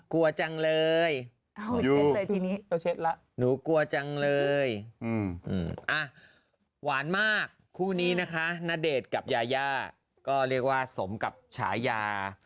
กลัวจังเลยหนูกลัวจังเลยอ่ะหวานมากคู่นี้นะคะณเดชน์กับยาย่าก็เรียกว่าสมกับฉายา